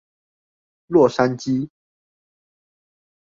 洛杉磯